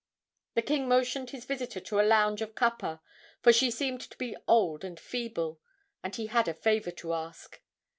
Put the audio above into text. The king motioned his visitor to a lounge of kapa, for she seemed to be old and feeble, and he had a favor to ask.